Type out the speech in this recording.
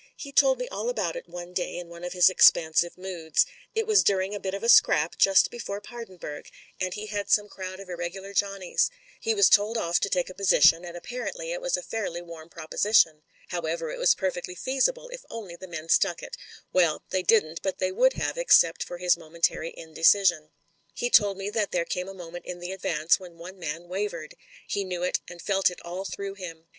"He told me all about it one day in one of his expansive moods. It was during a bit of a scrap just before Paardeburg, and he had some crowd of irregular Johnnies. He was told off to take a position, and apparently it was a fairly warm propo sition. However, it was perfectly feasible if only the men stuck it Well, they didn't, but they would have except for his momentary indecision. He told me that there came a moment in the advance when one man wavered. He knew it and felt it all through him.